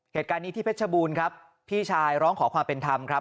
เหตุการณ์นี้ที่เพชรบูรณ์ครับพี่ชายร้องขอความเป็นธรรมครับ